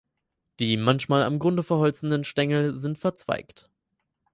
Die manchmal am Grunde verholzenden Stängel sind verzweigt.